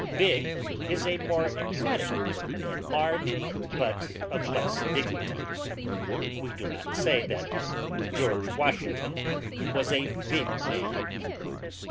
Big is a more emphatic word than large, but of less dignity. We do not say that George Washington was a big man.